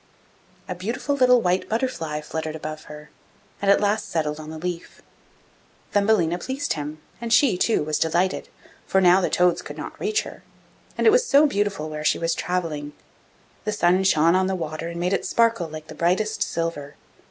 A beautiful little white butterfly fluttered above her, and at last settled on the leaf. Thumbelina pleased him, and she, too, was delighted, for now the toads could not reach her, and it was so beautiful where she was travelling; the sun shone on the water and made it sparkle like the brightest silver.